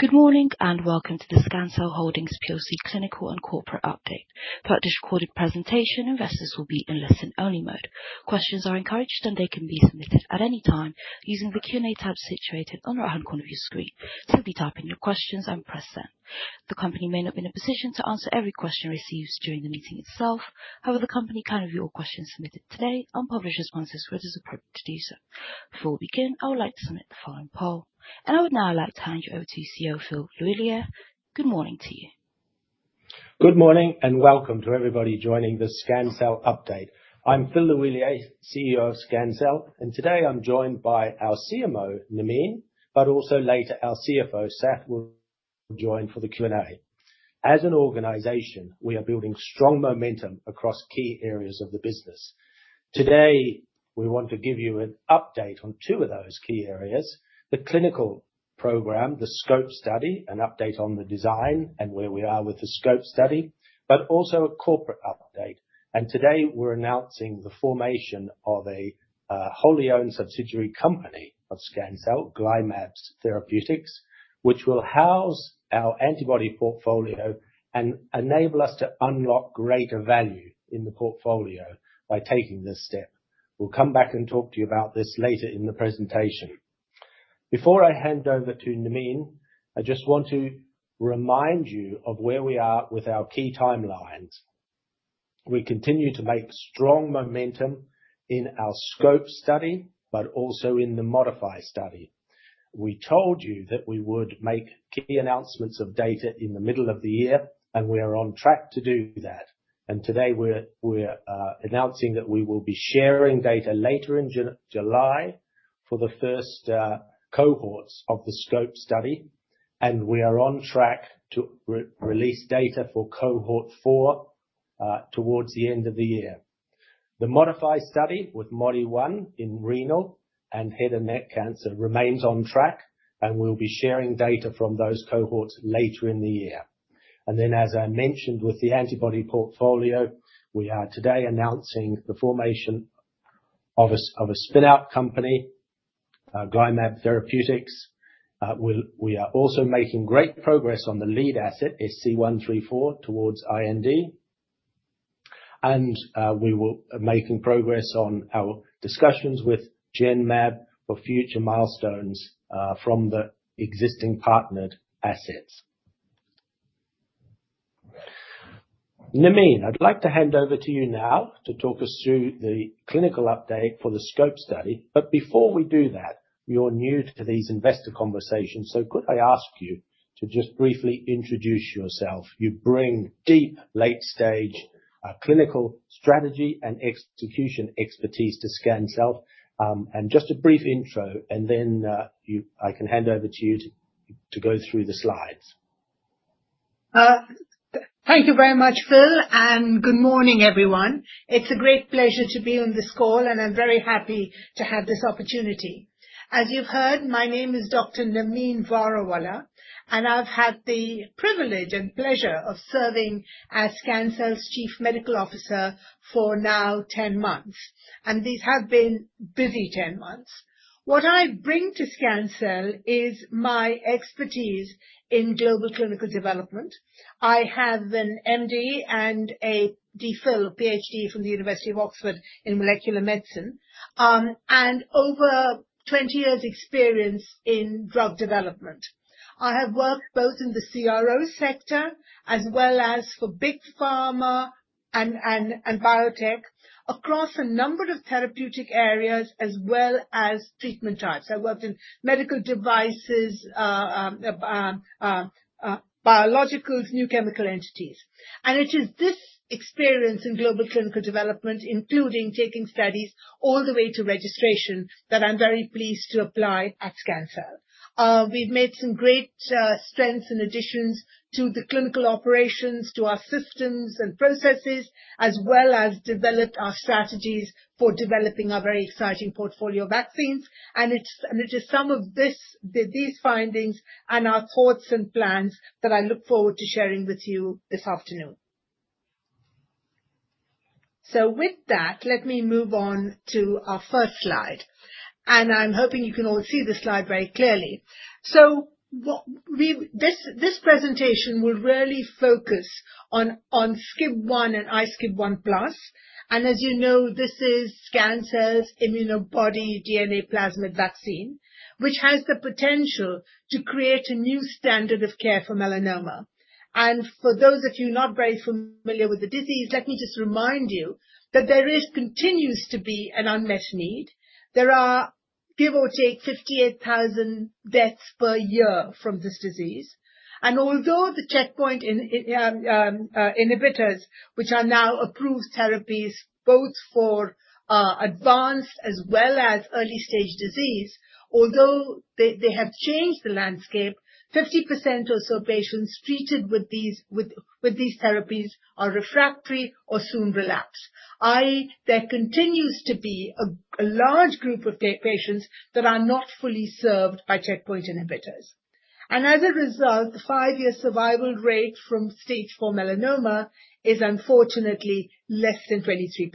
Good morning and welcome to the Scancell Holdings PLC Clinical and Corporate Update. Throughout this recorded presentation, investors will be in listen-only mode. Questions are encouraged, and they can be submitted at any time using the Q&A tab situated on the right-hand corner of your screen. Simply type in your questions and press send. The company may not be in a position to answer every question received during the meeting itself. However, the company can review all questions submitted today and publish responses where it is appropriate to do so. Before we begin, I would like to submit the following poll. I would now like to hand you over to CEO, Phil L'Huillier. Good morning to you. Good morning and welcome to everybody joining the Scancell update. I'm Phil L'Huillier, CEO of Scancell, and today I'm joined by our CMO, Nermeen, but also later our CFO, Sath will join for the Q&A. As an organization, we are building strong momentum across key areas of the business. Today, we want to give you an update on two of those key areas. The clinical program, the SCOPE study, an update on the design and where we are with the SCOPE study, but also a corporate update. Today we're announcing the formation of a wholly-owned subsidiary company of Scancell, GlyMab Therapeutics, which will house our antibody portfolio and enable us to unlock greater value in the portfolio by taking this step. We'll come back and talk to you about this later in the presentation. Before I hand over to Nermeen, I just want to remind you of where we are with our key timelines. We continue to make strong momentum in our SCOPE study, but also in the ModiFY study. We told you that we would make key announcements of data in the middle of the year, and we are on track to do that. Today we're announcing that we will be sharing data later in July for the first cohorts of the SCOPE study, and we are on track to re-release data for cohort four towards the end of the year. The ModiFY study with Modi-1 in renal and head and neck cancer remains on track, and we'll be sharing data from those cohorts later in the year. As I mentioned, with the antibody portfolio, we are today announcing the formation of a spin-out company, GlyMab Therapeutics. We are also making great progress on the lead asset, SC134, towards IND. We are making progress on our discussions with Genmab for future milestones from the existing partnered assets. Nermeen, I'd like to hand over to you now to talk us through the clinical update for the SCOPE study. Before we do that, you're new to these investor conversations, so could I ask you to just briefly introduce yourself. You bring deep late-stage clinical strategy and execution expertise to Scancell. Just a brief intro, and then I can hand over to you to go through the slides. Thank you very much, Phil, and good morning, everyone. It's a great pleasure to be on this call, and I'm very happy to have this opportunity. As you've heard, my name is Dr. Nermeen Varawalla, and I've had the privilege and pleasure of serving as Scancell's Chief Medical Officer for now 10 months, and these have been busy 10 months. What I bring to Scancell is my expertise in global clinical development. I have an MD and a DPhil PhD from the University of Oxford in molecular medicine, and over 20 years experience in drug development. I have worked both in the CRO sector as well as for Big Pharma and biotech across a number of therapeutic areas as well as treatment types. I worked in medical devices, biologicals, new chemical entities. It is this experience in global clinical development, including taking studies all the way to registration, that I'm very pleased to apply at Scancell. We've made some great strengths and additions to the clinical operations, to our systems and processes, as well as developed our strategies for developing our very exciting portfolio of vaccines. It is some of this, these findings and our thoughts and plans that I look forward to sharing with you this afternoon. With that, let me move on to our first slide, and I'm hoping you can all see this slide very clearly. This presentation will really focus on SCIB1 and iSCIB1+. As you know, this is Scancell's ImmunoBody DNA plasmid vaccine, which has the potential to create a new standard of care for melanoma. For those of you not very familiar with the disease, let me just remind you that there continues to be an unmet need. There are, give or take, 58,000 deaths per year from this disease. Although the checkpoint inhibitors, which are now approved therapies both for advanced as well as early-stage disease, although they have changed the landscape, 50% or so patients treated with these therapies are refractory or soon relapse, i.e., there continues to be a large group of patients that are not fully served by checkpoint inhibitors. As a result, the five-year survival rate from stage four melanoma is unfortunately less than 23%.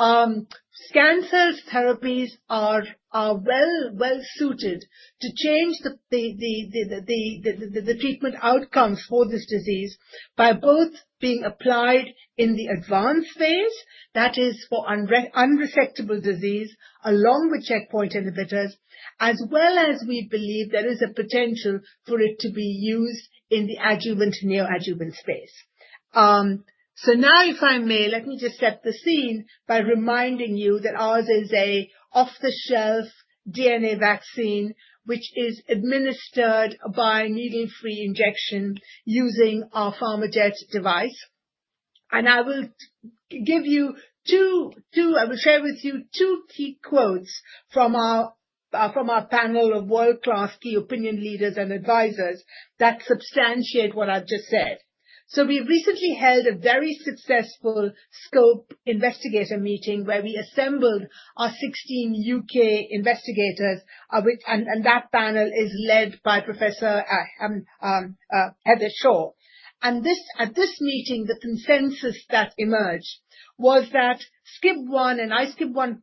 Scancell's therapies are well suited to change the treatment outcomes for this disease by both being applied in the advanced phase, that is for unresectable disease, along with checkpoint inhibitors, as well as we believe there is a potential for it to be used in the adjuvant/neoadjuvant space. Now, if I may, let me just set the scene by reminding you that ours is an off-the-shelf DNA vaccine, which is administered by needle-free injection using our PharmaJet device. I will share with you two key quotes from our panel of world-class key opinion leaders and advisors that substantiate what I've just said. We recently held a very successful SCOPE Investigator meeting where we assembled our 16 U.K. investigators, that panel is led by Professor Heather Shaw. At this meeting, the consensus that emerged was that SCIB1 and iSCIB1+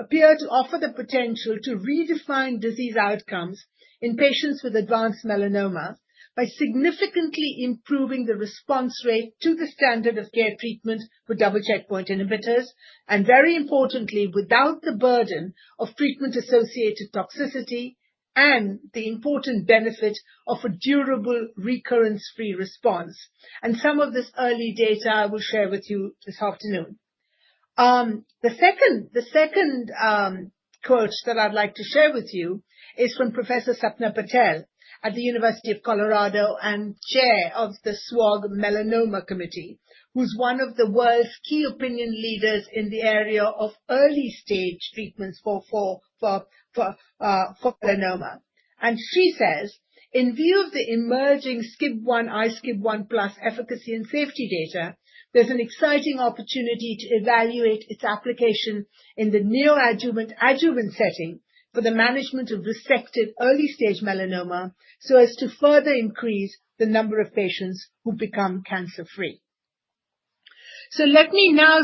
appear to offer the potential to redefine disease outcomes in patients with advanced melanoma by significantly improving the response rate to the standard of care treatment with double checkpoint inhibitors, and very importantly, without the burden of treatment-associated toxicity and the important benefit of a durable recurrence-free response. Some of this early data I will share with you this afternoon. The second quote that I'd like to share with you is from Professor Sapna Patel at the University of Colorado and Chair of the SWOG Melanoma Committee, who's one of the world's key opinion leaders in the area of early-stage treatments for melanoma. She says, "In view of the emerging SCIB1/iSCIB1+ efficacy and safety data, there's an exciting opportunity to evaluate its application in the neoadjuvant-adjuvant setting for the management of resected early-stage melanoma so as to further increase the number of patients who become cancer-free." Let me now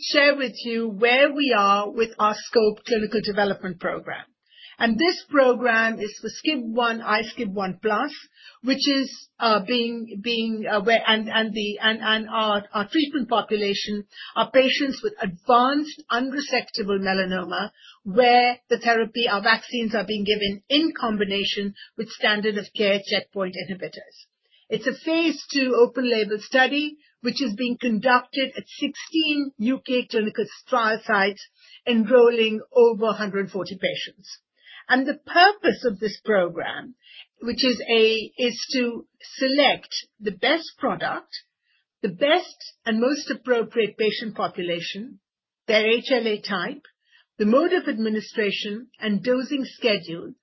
share with you where we are with our SCOPE clinical development program. This program is for SCIB1/iSCIB1+, which is being our treatment population are patients with advanced unresectable melanoma, where the therapy or vaccines are being given in combination with standard of care checkpoint inhibitors. It's a phase II open-label study which is being conducted at 16 U.K. clinical trial sites, enrolling over 140 patients. The purpose of this program, which is a, is to select the best product, the best and most appropriate patient population, their HLA type, the mode of administration, and dosing schedule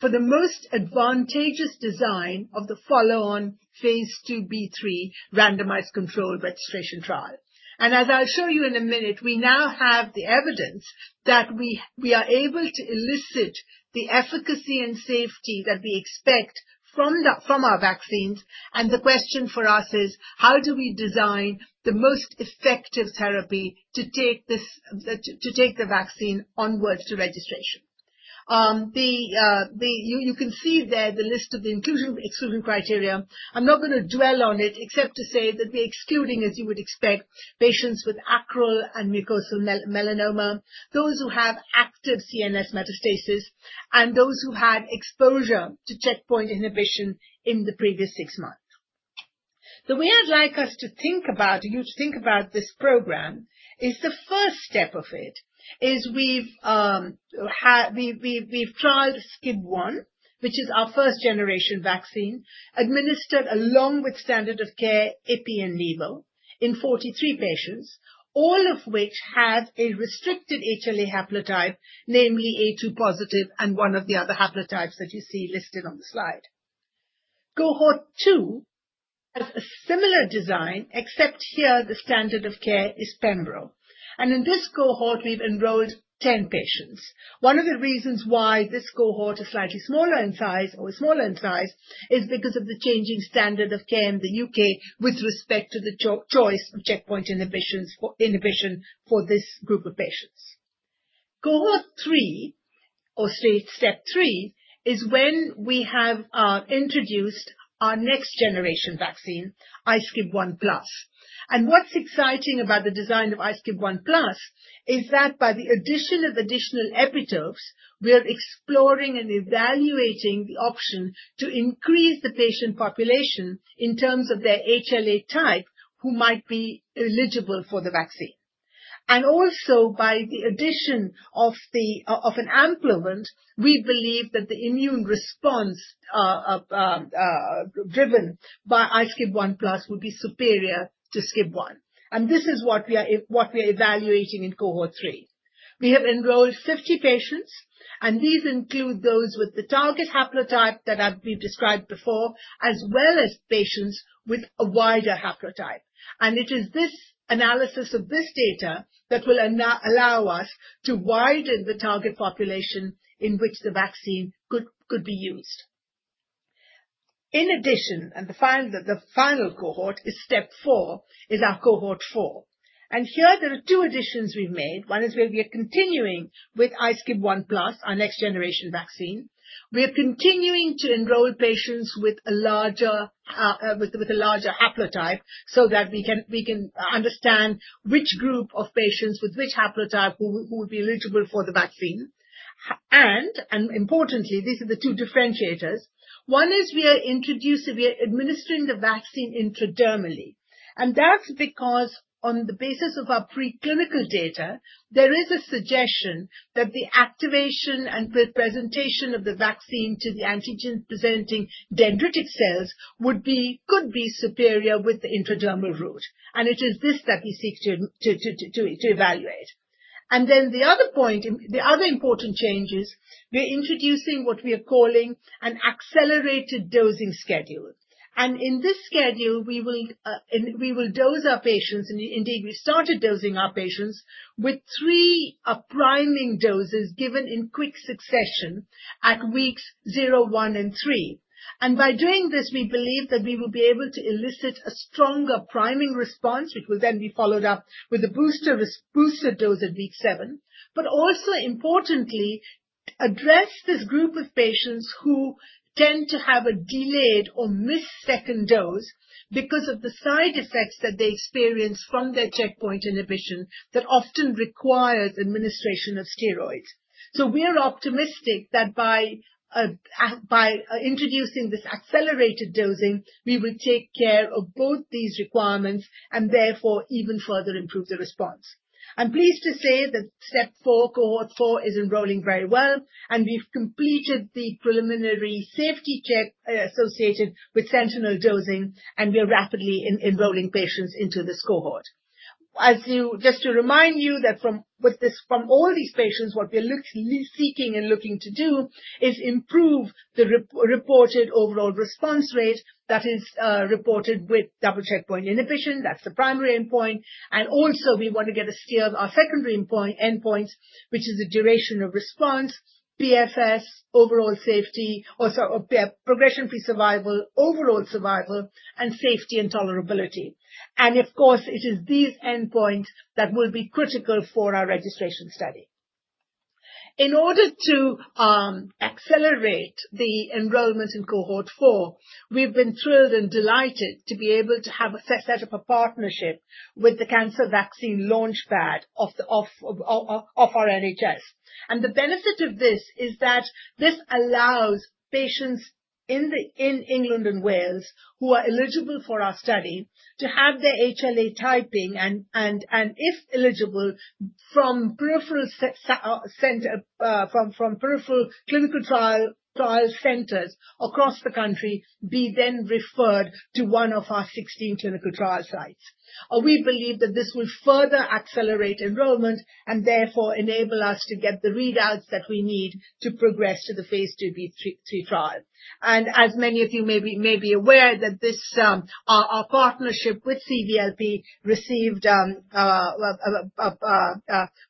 for the most advantageous design of the follow-on phase IIb/III randomized controlled registration trial. As I'll show you in a minute, we now have the evidence that we are able to elicit the efficacy and safety that we expect from our vaccines, and the question for us is how do we design the most effective therapy to take this to take the vaccine onwards to registration? You can see there the list of the inclusion/exclusion criteria. I'm not gonna dwell on it, except to say that we're excluding, as you would expect, patients with acral and mucosal melanoma, those who have active CNS metastasis, and those who had exposure to checkpoint inhibition in the previous six months. The way I'd like you to think about this program is the first step of it, is we've have. We've trialed SCIB1, which is our first-generation vaccine, administered along with standard of care, ipi and nivo, in 43 patients, all of which have a restricted HLA haplotype, namely A2 positive and one of the other haplotypes that you see listed on the slide. Cohort 2 has a similar design, except here the standard of care is pembro. In this cohort, we've enrolled 10 patients. One of the reasons why this cohort is slightly smaller in size or smaller in size is because of the changing standard of care in the U.K. with respect to the choice of checkpoint inhibition for this group of patients. Cohort 3 or step 3 is when we have introduced our next-generation vaccine, iSCIB1+. What's exciting about the design of iSCIB1+ is that by the addition of additional epitopes, we are exploring and evaluating the option to increase the patient population in terms of their HLA type, who might be eligible for the vaccine. Also, by the addition of an adjuvant, we believe that the immune response driven by iSCIB1+ will be superior to SCIB1. This is what we are evaluating in Cohort 3. We have enrolled 50 patients, and these include those with the target haplotype that I've described before, as well as patients with a wider haplotype. It is this analysis of this data that will allow us to widen the target population in which the vaccine could be used. In addition, the final cohort is step 4, our Cohort 4. Here there are two additions we've made. One is where we are continuing with iSCIB1+, our next generation vaccine. We are continuing to enroll patients with a larger haplotype so that we can understand which group of patients with which haplotype would be eligible for the vaccine. Importantly, these are the two differentiators. One is we are administering the vaccine intradermally, and that's because on the basis of our preclinical data, there is a suggestion that the activation and the presentation of the vaccine to the antigen-presenting dendritic cells would be, could be superior with the intradermal route. It is this that we seek to evaluate. The other important change is we're introducing what we are calling an accelerated dosing schedule. In this schedule we will dose our patients, and indeed we started dosing our patients with 3 priming doses given in quick succession at weeks 0, 1, and 3. By doing this, we believe that we will be able to elicit a stronger priming response, which will then be followed up with a booster dose at week 7, also, importantly, address this group of patients who tend to have a delayed or missed second dose because of the side effects that they experience from their checkpoint inhibition that often requires administration of steroids. We are optimistic that by introducing this accelerated dosing, we will take care of both these requirements and therefore even further improve the response. I'm pleased to say that step four, Cohort 4 is enrolling very well, and we've completed the preliminary safety check associated with sentinel dosing, and we are rapidly enrolling patients into this cohort. Just to remind you that with this, from all these patients, what we are seeking and looking to do is improve the reported overall response rate that is reported with double checkpoint inhibition. That's the primary endpoint. Also we want to get a steer on our secondary endpoints, which is the duration of response, PFS, overall safety, progression-free survival, overall survival, and safety and tolerability. Of course, it is these endpoints that will be critical for our registration study. In order to accelerate the enrollment in Cohort 4, we've been thrilled and delighted to be able to set up a partnership with the Cancer Vaccine Launch Pad of our NHS. The benefit of this is that this allows patients in England and Wales who are eligible for our study to have their HLA typing and if eligible from peripheral clinical trial centers across the country, be then referred to one of our 16 clinical trial sites. We believe that this will further accelerate enrollment and therefore enable us to get the readouts that we need to progress to the phase IIb/III trial. As many of you may be aware that our partnership with CVLP received a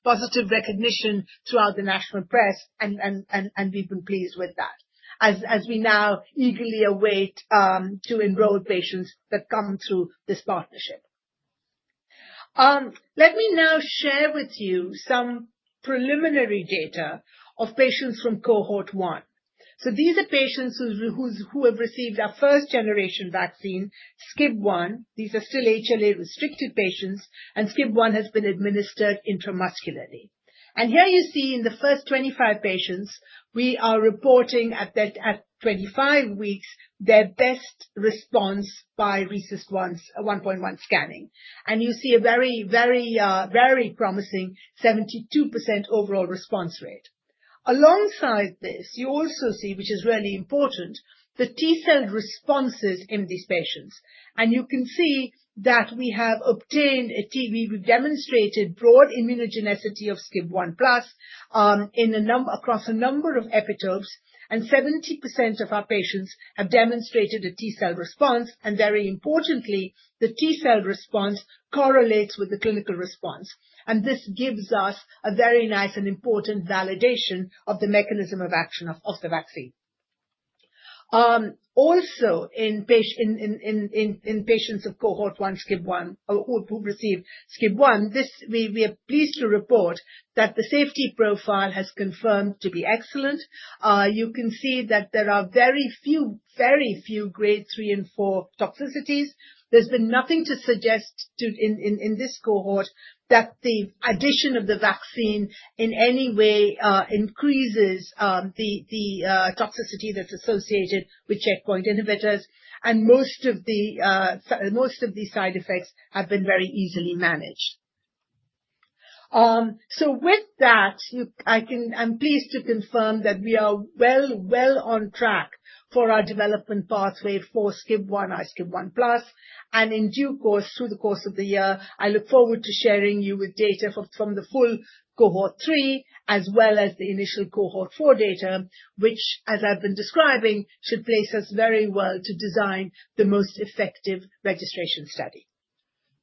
positive recognition throughout the national press, and we've been pleased with that as we now eagerly await to enroll patients that come through this partnership. Let me now share with you some preliminary data of patients from Cohort 1. These are patients who have received our first-generation vaccine, SCIB1. These are still HLA-restricted patients, and SCIB1 has been administered intramuscularly. Here you see in the first 25 patients, we are reporting at 25 weeks, their best response by RECIST 1.1 scanning. You see a very promising 72% overall response rate. Alongside this, you also see, which is really important, the T cell responses in these patients. You can see that we have obtained data. We've demonstrated broad immunogenicity of SCIB1+, across a number of epitopes, and 70% of our patients have demonstrated a T cell response, and very importantly, the T cell response correlates with the clinical response. This gives us a very nice and important validation of the mechanism of action of the vaccine. Also in patients of Cohort 1 SCIB1 who've received SCIB1, we are pleased to report that the safety profile has been confirmed to be excellent. You can see that there are very few grade three and four toxicities. There's been nothing to suggest. In this cohort that the addition of the vaccine in any way increases the toxicity that's associated with checkpoint inhibitors, and most of these side effects have been very easily managed. With that, I'm pleased to confirm that we are well on track for our development pathway for SCIB1 and iSCIB1+, and in due course, through the course of the year, I look forward to sharing with you data from the full Cohort 3 as well as the initial Cohort 4 data, which, as I've been describing, should place us very well to design the most effective registration study.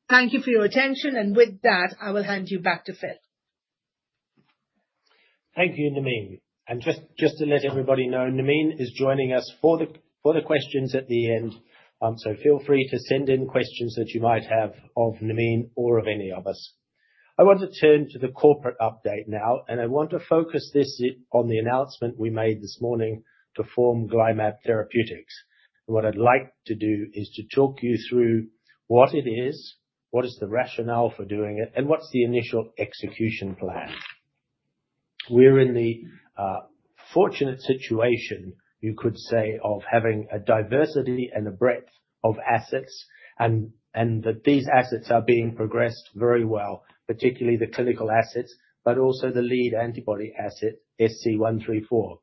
Thank you for your attention, and with that, I will hand you back to Phil. Thank you, Nermeen. Just to let everybody know, Nermeen is joining us for the questions at the end. So feel free to send in questions that you might have of Nermeen or of any of us. I want to turn to the corporate update now, and I want to focus on the announcement we made this morning to form GlyMab Therapeutics. What I'd like to do is to talk you through what it is. What is the rationale for doing it, and what's the initial execution plan? We're in the fortunate situation, you could say, of having a diversity and a breadth of assets, and that these assets are being progressed very well, particularly the clinical assets, but also the lead antibody asset, SC134.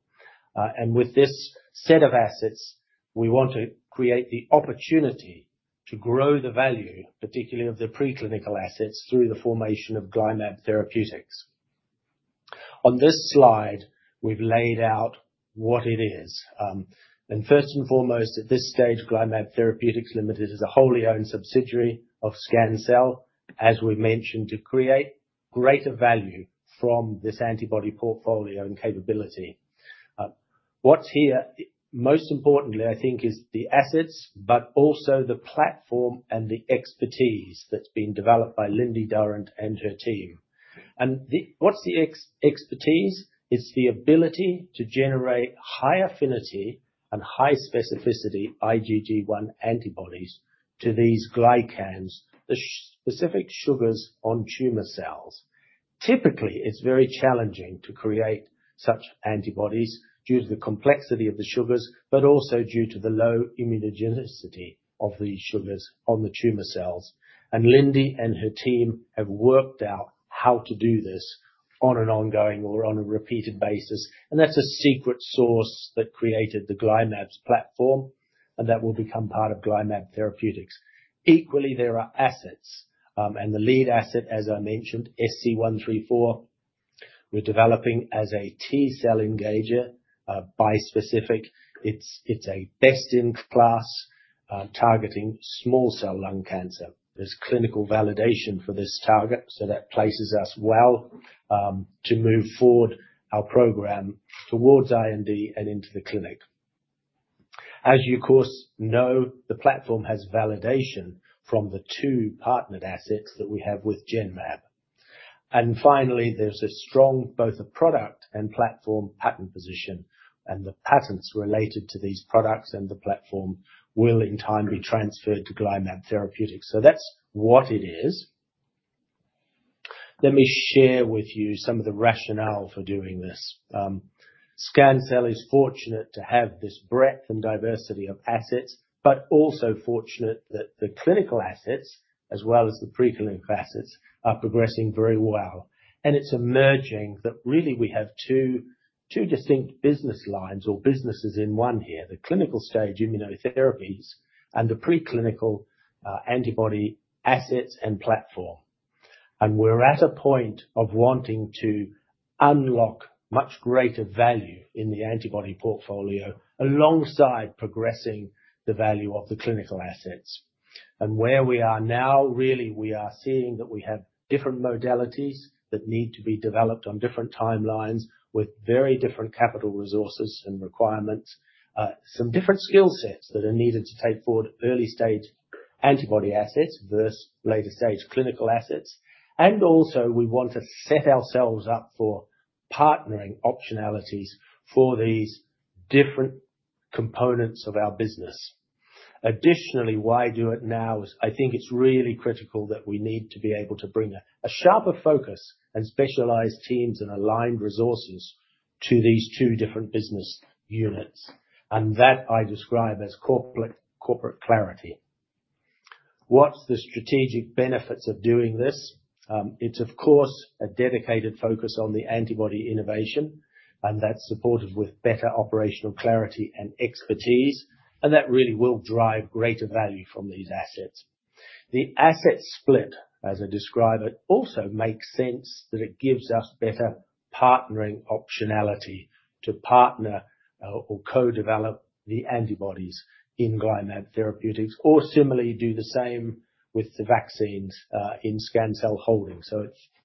With this set of assets, we want to create the opportunity to grow the value, particularly of the preclinical assets, through the formation of GlyMab Therapeutics. On this slide, we've laid out what it is. First and foremost, at this stage, GlyMab Therapeutics Limited is a wholly owned subsidiary of Scancell, as we mentioned, to create greater value from this antibody portfolio and capability. What's here, most importantly, I think, is the assets, but also the platform and the expertise that's been developed by Lindy Durrant and her team. It's the ability to generate high affinity and high specificity IgG1 antibodies to these glycans, the specific sugars on tumor cells. Typically, it's very challenging to create such antibodies due to the complexity of the sugars, but also due to the low immunogenicity of these sugars on the tumor cells. Lindy and her team have worked out how to do this on an ongoing or on a repeated basis, and that's the secret sauce that created the GlyMab platform, and that will become part of GlyMab Therapeutics. Equally, there are assets and the lead asset, as I mentioned, SC134, we're developing as a T-cell engager, bispecific. It's a best-in-class targeting small cell lung cancer. There's clinical validation for this target, so that places us well to move forward our program towards IND and into the clinic. As you of course know, the platform has validation from the two partnered assets that we have with Genmab. Finally, there's a strong both a product and platform patent position, and the patents related to these products and the platform will in time be transferred to GlyMab Therapeutics. That's what it is. Let me share with you some of the rationale for doing this. Scancell is fortunate to have this breadth and diversity of assets, but also fortunate that the clinical assets, as well as the preclinical assets, are progressing very well. It's emerging that really we have two distinct business lines or businesses in one here, the clinical-stage immunotherapies and the preclinical antibody assets and platform. We're at a point of wanting to unlock much greater value in the antibody portfolio alongside progressing the value of the clinical assets. Where we are now, really, we are seeing that we have different modalities that need to be developed on different timelines with very different capital resources and requirements, some different skill sets that are needed to take forward early-stage antibody assets versus later-stage clinical assets. We want to set ourselves up for partnering optionalities for these different components of our business. Additionally, why do it now is I think it's really critical that we need to be able to bring a sharper focus and specialized teams and aligned resources to these two different business units. That I describe as corporate clarity. What's the strategic benefits of doing this? It's of course, a dedicated focus on the antibody innovation, and that's supported with better operational clarity and expertise, and that really will drive greater value from these assets. The asset split, as I describe it, also makes sense that it gives us better partnering optionality to partner or co-develop the antibodies in GlyMab Therapeutics, or similarly, do the same with the vaccines in Scancell Holdings.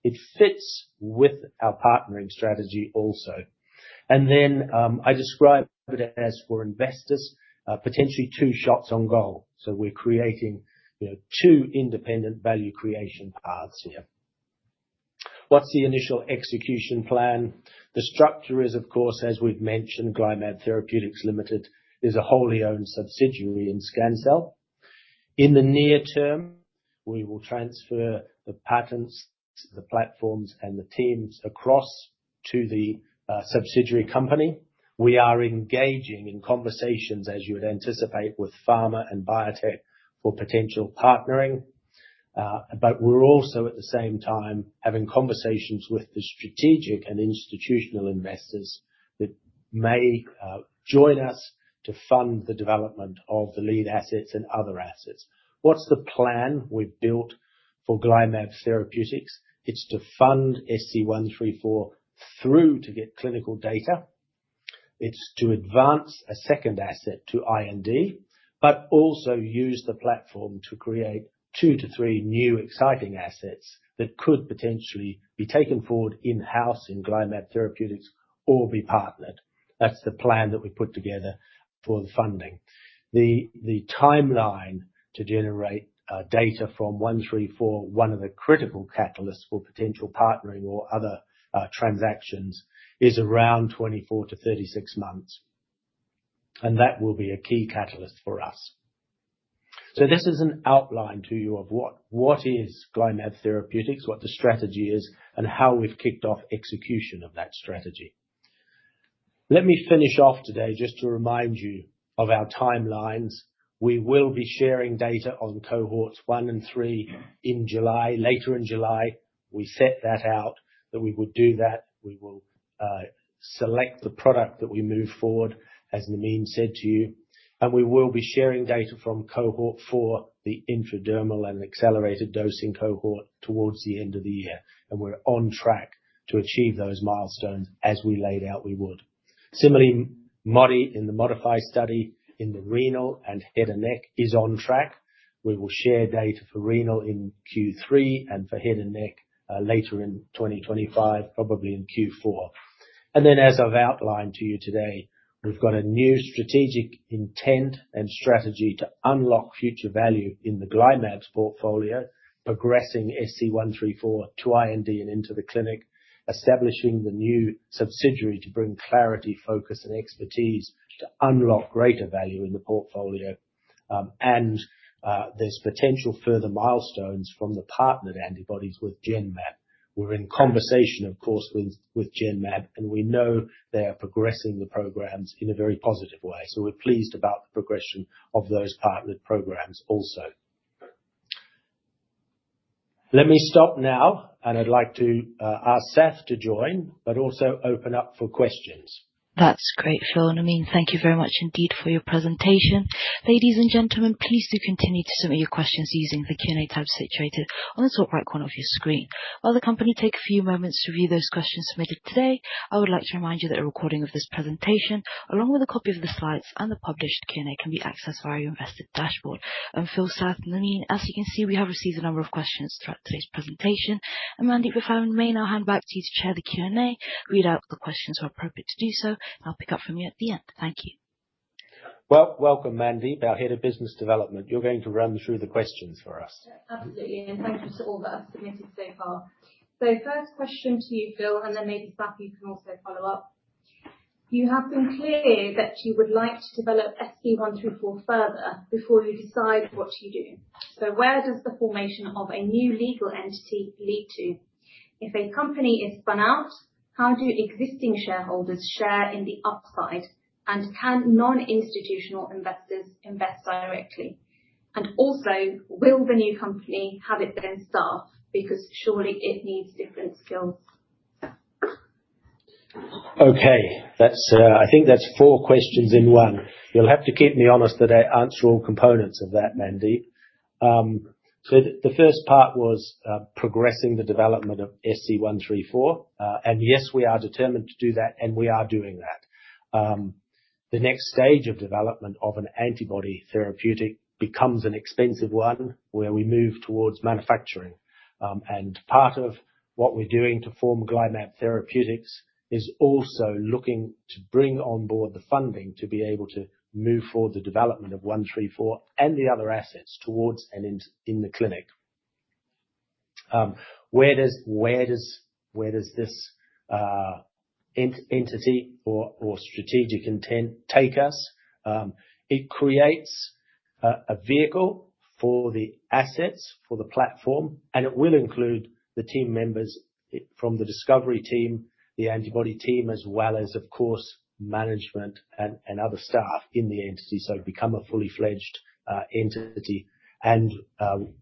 It fits with our partnering strategy also. I describe it as, for investors, potentially two shots on goal. We're creating, you know, two independent value creation paths here. What's the initial execution plan? The structure is, of course, as we've mentioned, GlyMab Therapeutics Limited is a wholly owned subsidiary in Scancell. In the near term, we will transfer the patents, the platforms, and the teams across to the subsidiary company. We are engaging in conversations, as you would anticipate, with pharma and biotech for potential partnering. But we're also at the same time having conversations with the strategic and institutional investors that may join us to fund the development of the lead assets and other assets. What's the plan we've built for GlyMab Therapeutics? It's to fund SC134 through to get clinical data. It's to advance a second asset to IND, but also use the platform to create 2-3 new exciting assets that could potentially be taken forward in-house in GlyMab Therapeutics or be partnered. That's the plan that we put together for the funding. The timeline to generate data from SC134, one of the critical catalysts for potential partnering or other transactions, is around 24-36 months. That will be a key catalyst for us. This is an outline to you of what is GlyMab Therapeutics, what the strategy is, and how we've kicked off execution of that strategy. Let me finish off today just to remind you of our timelines. We will be sharing data on Cohorts 1 and 3 in July. Later in July, we set that out, that we would do that. We will select the product that we move forward, as Nermeen said to you, and we will be sharing data from Cohort 4, the intradermal and accelerated dosing cohort, towards the end of the year, and we're on track to achieve those milestones as we laid out we would. Similarly, Modi-1 in the ModiFY study in the renal and head and neck is on track. We will share data for renal in Q3 and for head and neck later in 2025, probably in Q4. As I've outlined to you today, we've got a new strategic intent and strategy to unlock future value in the GlyMab portfolio, progressing SC134 to IND and into the clinic, establishing the new subsidiary to bring clarity, focus, and expertise to unlock greater value in the portfolio. There's potential further milestones from the partnered antibodies with Genmab. We're in conversation, of course, with Genmab, and we know they are progressing the programs in a very positive way. We're pleased about the progression of those partnered programs also. Let me stop now, and I'd like to ask Sath to join, but also open up for questions. That's great, Phil and Nermeen. Thank you very much indeed for your presentation. Ladies and gentlemen, please do continue to submit your questions using the Q&A tab situated on the top right corner of your screen. While the company take a few moments to review those questions submitted today, I would like to remind you that a recording of this presentation, along with a copy of the slides and the published Q&A, can be accessed via your investor dashboard. Phil, Sath, and Nermeen, as you can see, we have received a number of questions throughout today's presentation. Mandeep, if I may now hand back to you to chair the Q&A, read out the questions where appropriate to do so. I'll pick up from you at the end. Thank you. Well, welcome, Mandeep, our Head of Business Development. You're going to run through the questions for us. Absolutely, and thank you to all that have submitted so far. First question to you, Phil, and then maybe Sath, you can also follow up. You have been clear that you would like to develop SC134 further before you decide what to do. Where does the formation of a new legal entity lead to? If a company is spun out, how do existing shareholders share in the upside? Can non-institutional investors invest directly? Will the new company have its own staff? Because surely it needs different skills. Okay. That's, I think that's four questions in one. You'll have to keep me honest that I answer all components of that, Mandeep. The first part was progressing the development of SC134. Yes, we are determined to do that, and we are doing that. The next stage of development of an antibody therapeutic becomes an expensive one, where we move towards manufacturing. Part of what we're doing to form GlyMab Therapeutics is also looking to bring on board the funding to be able to move forward the development of one-three-four and the other assets towards and in the clinic. Where does this entity or strategic intent take us? It creates a vehicle for the assets, for the platform, and it will include the team members from the discovery team, the antibody team, as well as, of course, management and other staff in the entity, so become a fully fledged entity.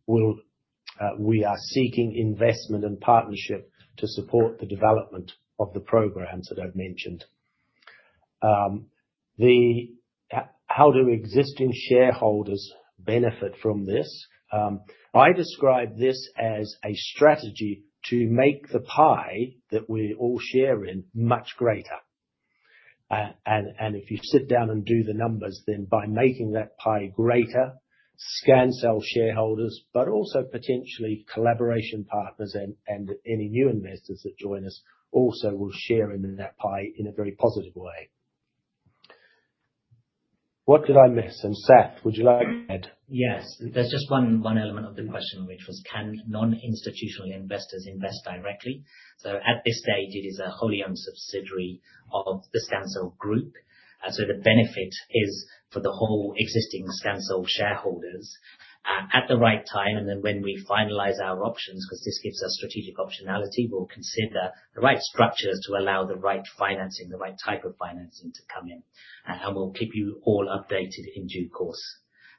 We are seeking investment and partnership to support the development of the programs that I've mentioned. How do existing shareholders benefit from this? I describe this as a strategy to make the pie that we all share in much greater. If you sit down and do the numbers, then by making that pie greater, Scancell shareholders, but also potentially collaboration partners and any new investors that join us also will share in that pie in a very positive way. What did I miss? Sath, would you like to add? Yes. There's just one element of the question, which was can non-institutional investors invest directly? At this stage, it is a wholly owned subsidiary of the Scancell group. The benefit is for the whole existing Scancell shareholders at the right time, and then when we finalize our options, 'cause this gives us strategic optionality. We'll consider the right structures to allow the right financing, the right type of financing to come in. We'll keep you all updated in due course.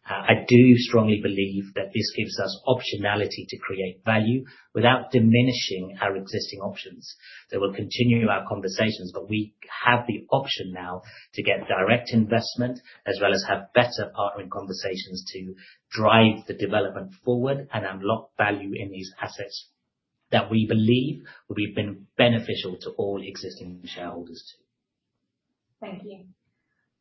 I do strongly believe that this gives us optionality to create value without diminishing our existing options. We're continuing our conversations, but we have the option now to get direct investment as well as have better partnering conversations to drive the development forward and unlock value in these assets that we believe will be beneficial to all existing shareholders too. Thank you.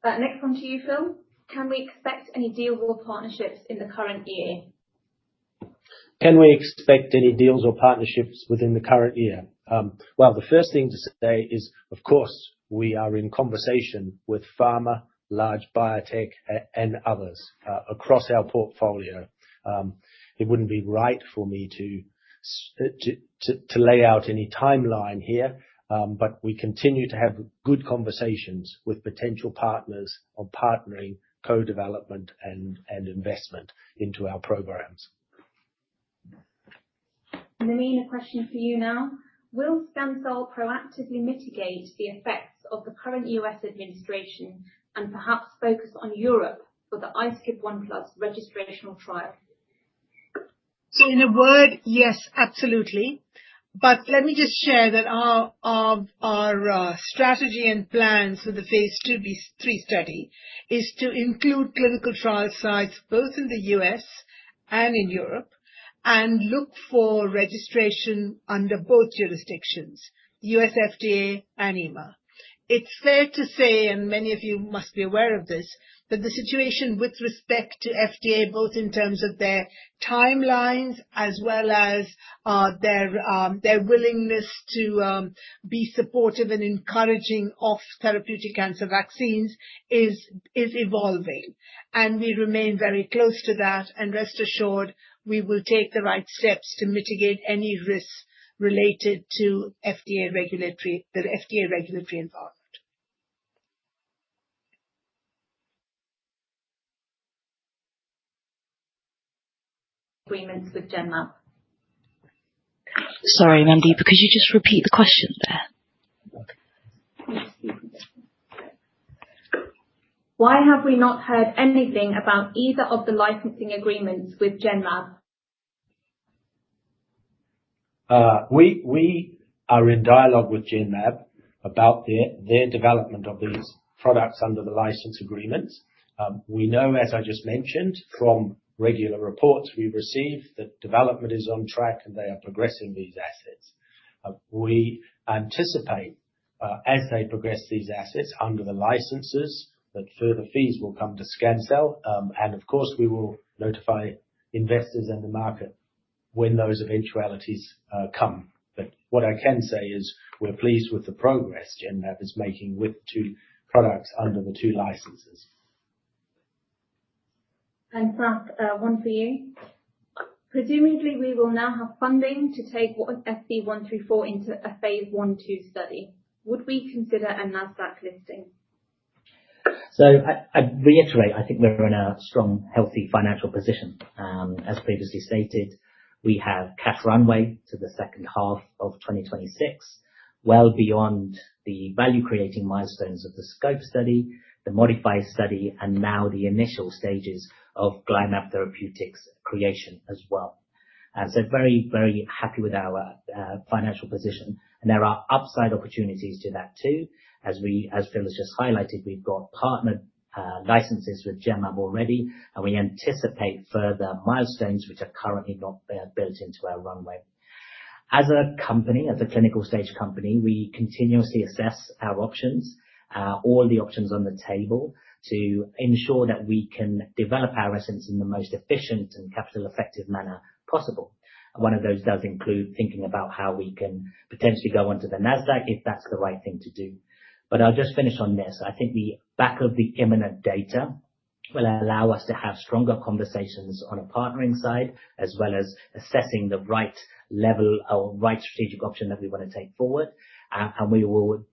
Next one to you, Phil. Can we expect any deal or partnerships in the current year? Can we expect any deals or partnerships within the current year? Well, the first thing to say is, of course, we are in conversation with pharma, large biotech, and others, across our portfolio. It wouldn't be right for me to lay out any timeline here, but we continue to have good conversations with potential partners on partnering, co-development, and investment into our programs. Nermeen, a question for you now. Will Scancell proactively mitigate the effects of the current U.S. administration and perhaps focus on Europe for the iSCIB1+ registrational trial? In a word, yes, absolutely. Let me just share that our strategy and plans for the phase IIb/III study is to include clinical trial sites both in the U.S. and in Europe, and look for registration under both jurisdictions, U.S. FDA and EMA. It's fair to say, and many of you must be aware of this, that the situation with respect to FDA, both in terms of their timelines as well as their willingness to be supportive and encouraging of therapeutic cancer vaccines is evolving. We remain very close to that. Rest assured, we will take the right steps to mitigate any risks related to the FDA regulatory environment. Agreements with Genmab. Sorry, Mandeep could you just repeat the question there? Why have we not heard anything about either of the licensing agreements with Genmab? We are in dialogue with Genmab about their development of these products under the license agreements. We know, as I just mentioned from regular reports we receive, that development is on track, and they are progressing these assets. We anticipate, as they progress these assets under the licenses, that further fees will come to Scancell. Of course, we will notify investors and the market when those eventualities come. What I can say is we're pleased with the progress Genmab is making with two products under the two licenses. Sath, one for you. Presumably, we will now have funding to take SC134 into a phase I/II study. Would we consider a Nasdaq listing? I reiterate, I think we're in a strong, healthy financial position. As previously stated, we have cash runway to the second half of 2026, well beyond the value-creating milestones of the SCOPE study, the ModiFY study, and now the initial stages of GlyMab Therapeutics creation as well. Very, very happy with our financial position. There are upside opportunities to that too. As Phil has just highlighted, we've got partnered licenses with Genmab already, and we anticipate further milestones which are currently not built into our runway. As a company, as a clinical-stage company, we continuously assess our options, all the options on the table to ensure that we can develop our assets in the most efficient and capital-effective manner possible. One of those does include thinking about how we can potentially go onto the Nasdaq, if that's the right thing to do. I'll just finish on this. I think on the back of the imminent data will allow us to have stronger conversations on the partnering side, as well as assessing the right level or right strategic option that we wanna take forward. We will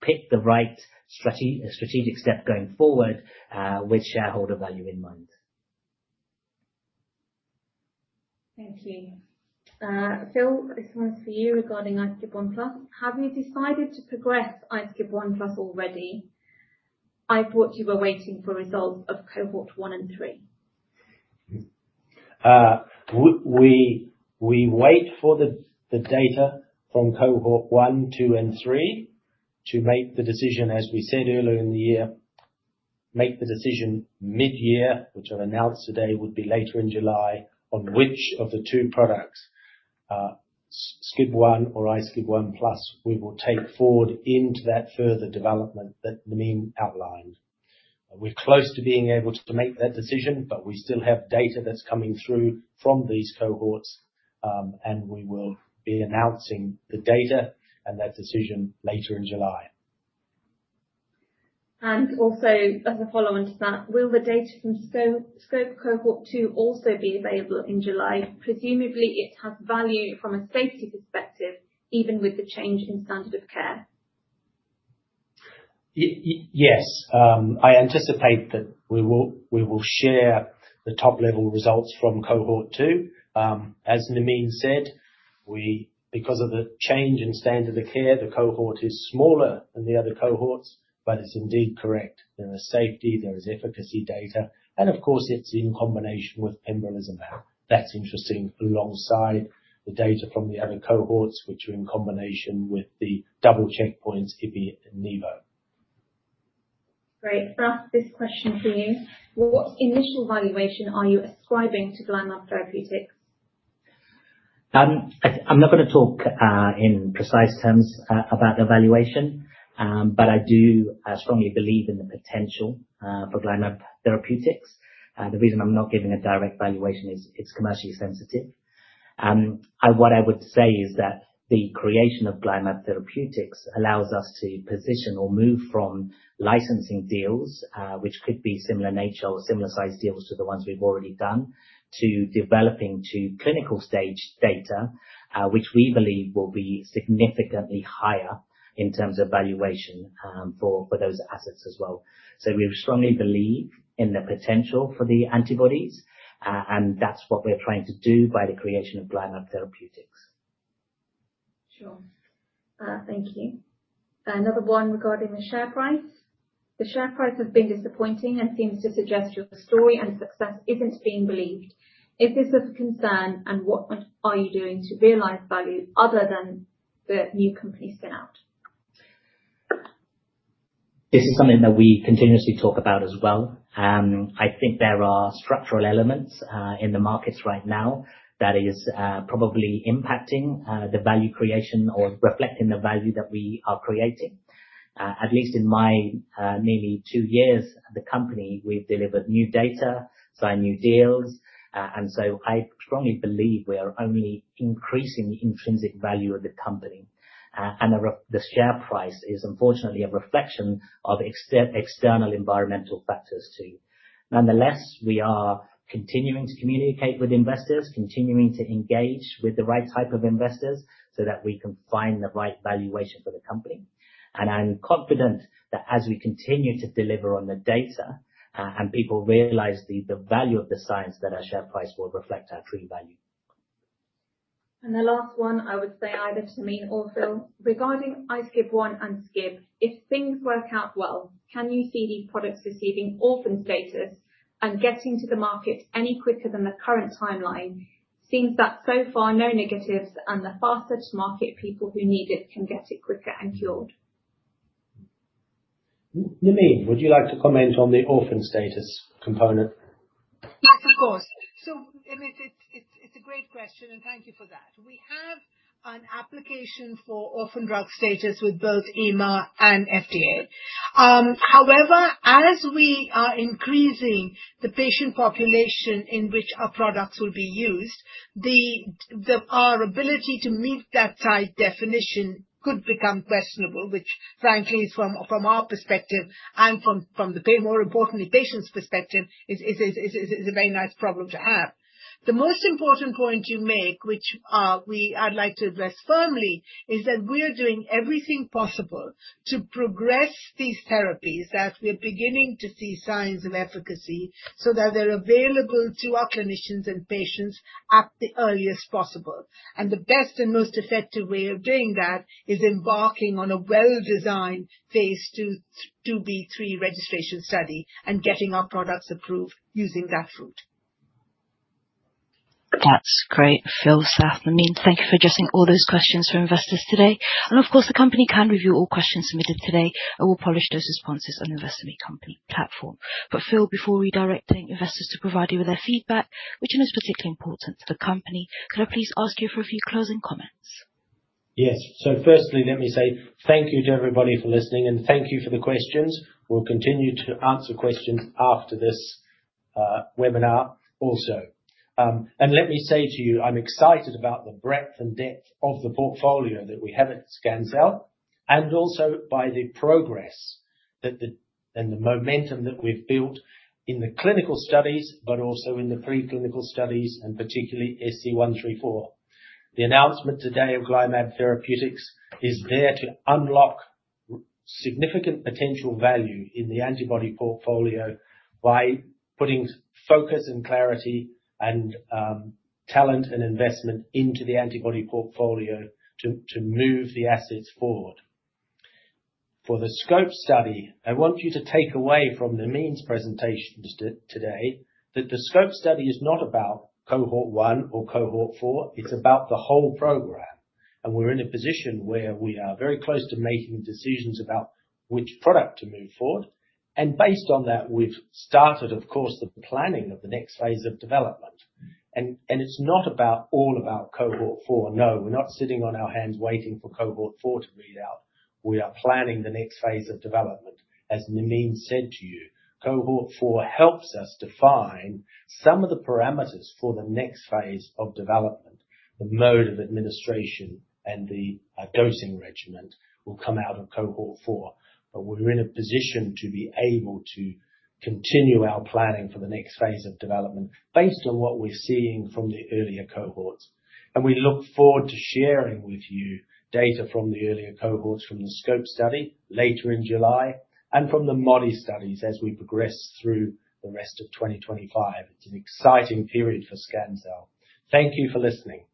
pick the right strategic step going forward, with shareholder value in mind. Thank you. Phil, this one's for you regarding iSCIB1+. Have you decided to progress iSCIB1+ already? I thought you were waiting for results of Cohort 1 and 3. We wait for the data from Cohort 1, 2, and 3 to make the decision, as we said earlier in the year, make the decision mid-year, which I've announced today, would be later in July, on which of the two products, SCIB1 or iSCIB1+, we will take forward into that further development that Nermeen outlined. We're close to being able to make that decision, but we still have data that's coming through from these cohorts. We will be announcing the data and that decision later in July. Also, as a follow-on to that, will the data from SCOPE Cohort 2 also be available in July? Presumably, it has value from a safety perspective, even with the change in standard of care. Yes. I anticipate that we will share the top-level results from Cohort 2. As Nermeen said, because of the change in standard of care, the cohort is smaller than the other cohorts, but it's indeed correct. There is safety, there is efficacy data, and of course, it's in combination with pembrolizumab. That's interesting alongside the data from the other cohorts, which are in combination with the double checkpoints, ipilimumab and nivolumab. Great. Sath, this question for you. What initial valuation are you ascribing to GlyMab Therapeutics? I'm not gonna talk in precise terms about the valuation. I do strongly believe in the potential for GlyMab Therapeutics. The reason I'm not giving a direct valuation is it's commercially sensitive. What I would say is that the creation of GlyMab Therapeutics allows us to position or move from licensing deals, which could be similar in nature or similar-sized deals to the ones we've already done, to developing clinical stage data, which we believe will be significantly higher in terms of valuation, for those assets as well. We strongly believe in the potential for the antibodies, and that's what we're trying to do by the creation of GlyMab Therapeutics. Sure. Thank you. Another one regarding the share price. "The share price has been disappointing and seems to suggest your story and success isn't being believed. Is this of concern, and what are you doing to realize value other than the new company spinout? This is something that we continuously talk about as well. I think there are structural elements in the markets right now that is probably impacting the value creation or reflecting the value that we are creating. At least in my nearly two years at the company, we've delivered new data, signed new deals. I strongly believe we are only increasing the intrinsic value of the company. The share price is unfortunately a reflection of external environmental factors, too. Nonetheless, we are continuing to communicate with investors, continuing to engage with the right type of investors so that we can find the right valuation for the company, and I'm confident that as we continue to deliver on the data and people realize the value of the science that our share price will reflect our true value. The last one I would say either to me or Phil: "Regarding iSCIB1+ and SCIB1, if things work out well, can you see these products receiving orphan status and getting to the market any quicker than the current timeline, seeing that so far no negatives and the faster to market people who need it can get it quicker and cured? Nermeen, would you like to comment on the orphan status component? Yes, of course. It's a great question, and thank you for that. We have an application for Orphan Drug Designation with both EMA and FDA. However, as we are increasing the patient population in which our products will be used, our ability to meet that tight definition could become questionable, which frankly is, from our perspective and, more importantly, from the patient's perspective, a very nice problem to have. The most important point you make, which I'd like to address firmly, is that we are doing everything possible to progress these therapies as we're beginning to see signs of efficacy so that they're available to our clinicians and patients at the earliest possible. The best and most effective way of doing that is embarking on a well-designed phase II/IIb/III registration study and getting our products approved using that route. That's great. Phil, Sath, Nermeen, thank you for addressing all those questions from investors today. Of course, the company can review all questions submitted today and will publish those responses on Investor Meet Company platform. Phil, before redirecting investors to provide you with their feedback, which is particularly important to the company, could I please ask you for a few closing comments? Yes. Firstly, let me say thank you to everybody for listening, and thank you for the questions. We'll continue to answer questions after this webinar also. Let me say to you, I'm excited about the breadth and depth of the portfolio that we have at Scancell, and also by the progress and the momentum that we've built in the clinical studies, but also in the pre-clinical studies and particularly SC134. The announcement today of GlyMab Therapeutics is there to unlock significant potential value in the antibody portfolio by putting focus and clarity and talent and investment into the antibody portfolio to move the assets forward. For the SCOPE study, I want you to take away from Nermeen's presentation today that the SCOPE study is not about Cohort 1 or Cohort 4. It's about the whole program. We're in a position where we are very close to making decisions about which product to move forward. Based on that, we've started, of course, the planning of the next phase of development. It's not about all of our Cohort 4. No, we're not sitting on our hands waiting for Cohort 4 to read out. We are planning the next phase of development. As Nermeen said to you, Cohort 4 helps us define some of the parameters for the next phase of development. The mode of administration and the dosing regimen will come out of Cohort 4. We're in a position to be able to continue our planning for the next phase of development based on what we're seeing from the earlier cohorts. We look forward to sharing with you data from the earlier cohorts from the SCOPE study later in July and from the Modi studies as we progress through the rest of 2025. It's an exciting period for Scancell. Thank you for listening.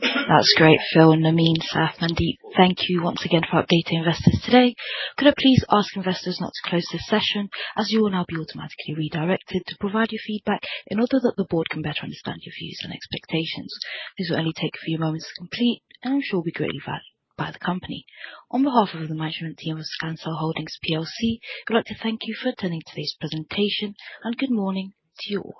That's great. Phil, Nermeen, Sath, Mandeep, thank you once again for updating investors today. Could I please ask investors now to close this session, as you will now be automatically redirected to provide your feedback in order that the board can better understand your views and expectations. This will only take a few moments to complete and I'm sure will be greatly valued by the company. On behalf of the management team of Scancell Holdings PLC, I'd like to thank you for attending today's presentation, and good morning to you all.